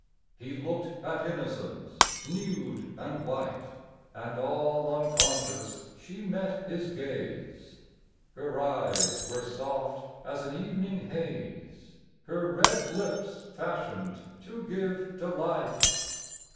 He looked at Innocence, nude and white, And all unconscious she met his gaze; Her eyes were soft as an evening haze, Her red lips fashioned to give delight.